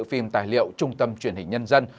phim tài liệu trung tâm truyền hình nhân dân